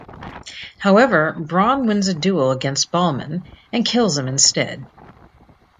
However, Bronn wins a duel against Balman and kills him instead.